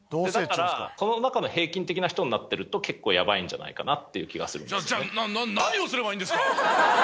だからこの中の平均的な人になってると、結構やばいんじゃないかなって気じゃあ、何をすればいいんですか。